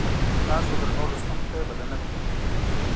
تاسو درنو لوستونکو ته یې بلنه درکوم.